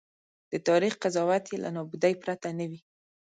د تاریخ قضاوت یې له نابودۍ پرته نه وي.